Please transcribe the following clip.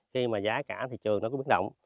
khi mà giá cả thị trường nó có biến động